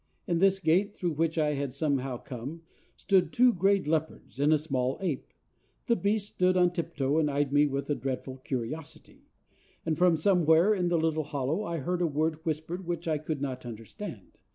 In this gate, through which I had somehow come, stood two gray leopards and a small ape. The beasts stood on tip toe and eyed me with a dreadful curiosity; and from somewhere in the little hollow I heard a word whispered which I could not understand.